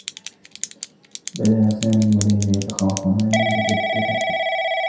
بدآ سامي و ليلى يتخاصمان مجدّدا.